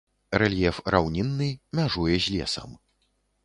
Рэльеф раўнінны, мяжуе з лесам.